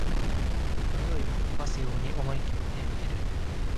迷いを吹き飛ばすように思いきって蹴る